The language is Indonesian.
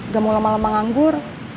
gak mau lama lama nganggur